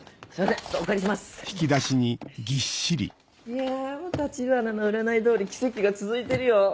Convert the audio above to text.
いや橘の占い通り奇跡が続いてるよ。